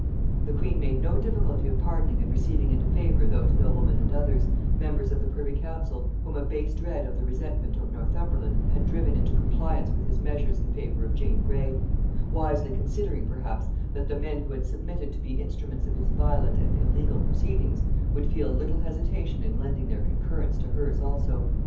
The queen made no difficulty of pardoning and receiving into favor those noblemen and others, members of the privy council, whom a base dread of the resentment of Northumberland had driven into compliance with his measures in favor of Jane Grey; wisely considering, perhaps, that the men who had submitted to be the instruments of his violent and illegal proceedings, would feel little hesitation in lending their concurrence to hers also.